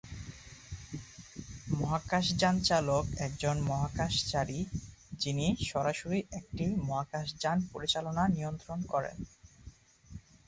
মহাকাশযান চালক একজন মহাকাশচারী যিনি সরাসরি একটি মহাকাশযান পরিচালনা নিয়ন্ত্রণ করেন।